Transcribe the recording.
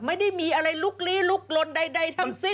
ไม่ได้มีอะไรลุกลี้ลุกลนใดทั้งสิ้น